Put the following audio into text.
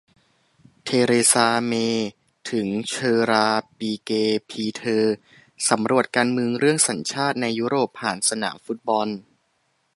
เทเรซา เมย์ถึงเฌอราร์ ปิเก พีเทอร์ สำรวจการเมืองเรื่อง"สัญชาติ"ในยุโรปผ่านสนามฟุตบอล